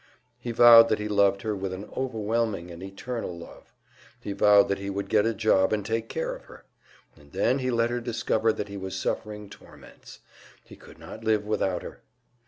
He vowed that he loved her with an overwhelming and eternal love. He vowed that he would get a job and take care of her. And then he let her discover that he was suffering torments; he could not live without her.